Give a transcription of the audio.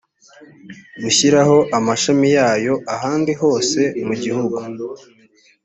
gushyiraho amashami yayo ahandi hose mu gihugu